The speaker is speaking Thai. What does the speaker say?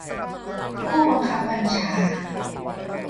ผู้บังคับบัญชา